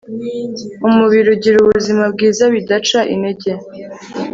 umubiri ugira ubuzima bwiza bidaca intege